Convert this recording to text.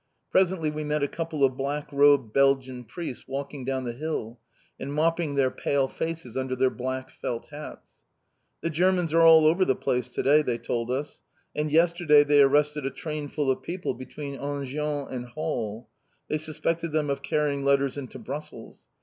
Presently we met a couple of black robed Belgian priests walking down the hill, and mopping their pale faces under their black felt hats. "The Germans are all over the place to day," they told us. "And yesterday they arrested a train full of people between Enghien and Hall. They suspected them of carrying letters into Brussels.